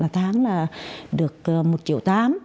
tháng là được một triệu tám